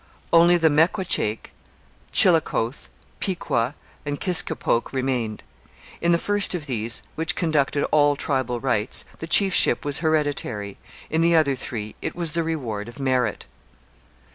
Only the Mequachake, Chillicothe, Piqua, and Kiscopoke remained. In the first of these, which conducted all tribal rites, the chiefship was hereditary; in the other three it was the reward of merit.